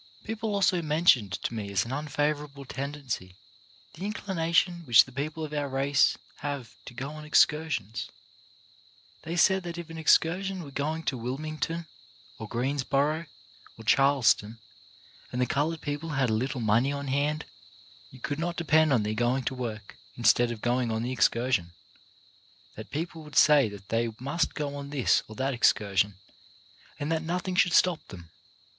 People also mentioned to me as an unfavourable tendency the inclination which the people of our race have to go on excursions. They said that if BEING RELIABLE 105 an excursion were going to Wilmington or Greens boro, or Charleston, and the coloured people had a little money on hand, you could not depend on their going to work instead of going on the excur sion ; that people would say that they must go on this or that excursion, and that nothing should stop them.